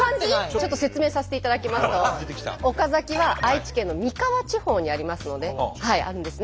ちょっと説明させていただきますと岡崎は愛知県の三河地方にあるんですね。